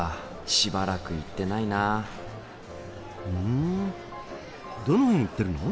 しばらく行ってないなうんどの辺行ってるの？